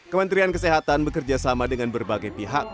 kementrian kesehatan bekerja sama dengan berbagai pihak